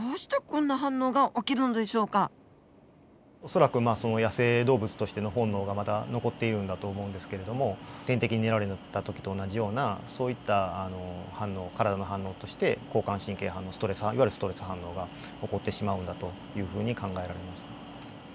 恐らく野生動物としての本能がまだ残っているんだと思うんですけれども天敵に狙われたときと同じようなそういった反応体の反応として交感神経反応いわゆるストレス反応が起こってしまうんだというふうに考えられます。